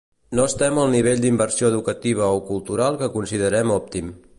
No estem al nivell d’inversió educativa o cultural que considerem òptim.